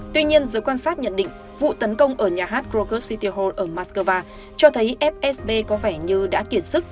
tuy nhiên dưới quan sát nhận định vụ tấn công ở nhà hát krakow city hall ở moscow cho thấy fsb có vẻ như đã kiệt sức